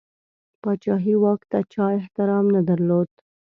پاچهي واک ته چا احترام نه درلود.